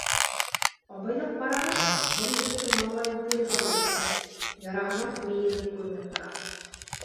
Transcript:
Абайлап ҡараһа — бер егеттең маңлайын пуля һыҙып үткән, яраһынан мейеһе күренеп тора.